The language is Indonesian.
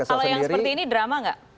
kalau yang seperti ini drama nggak